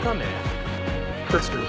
確かに。